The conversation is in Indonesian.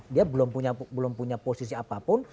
dia belum punya posisi apapun